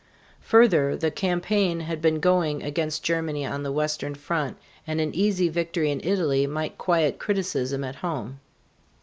Further, the campaign had been going against Germany on the western front, and an easy victory in Italy might quiet criticism at home.